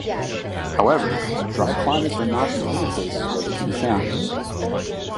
However, dry climates are not the only places where they can be found.